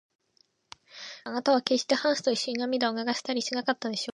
クラムがいなかったら、あなたはけっしてハンスといっしょに涙を流したりしなかったでしょう。